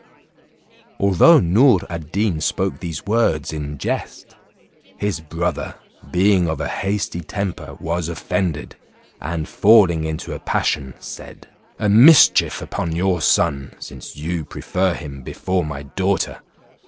Although Noor ad Deen spoke these words in jest, his brother being of a hasty temper, was offended, and falling into a passion said, "A mischief upon your son, since you prefer him before my daughter.